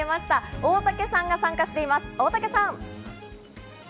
大竹さんが参加しています、大竹さん。